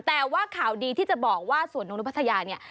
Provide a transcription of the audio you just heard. แต่ว่าข่าวดีที่จะบอกว่าสวนนกนุพัทยาเนี่ย